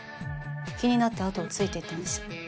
気になってあとをついて行ったんです